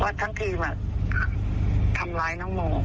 ทั้งทีมแบบทำร้ายน้องโม